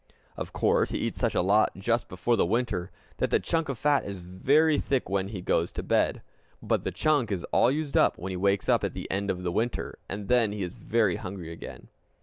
Of course, he eats such a lot just before the winter, that the chunk of fat is very thick when he goes to bed. But the chunk is all used up when he wakes up at the end of the winter, and then he is very hungry again!